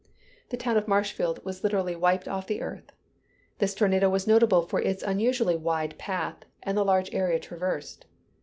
The town of Marshfield was literally wiped off the earth. This tornado is notable for its unusually wide path, and the large area traversed.